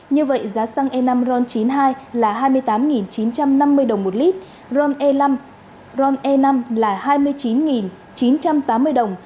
như vậy giá xăng e năm ron chín mươi hai là hai mươi tám chín trăm năm mươi đồng một lít ron e năm ron e năm là hai mươi chín chín trăm tám mươi đồng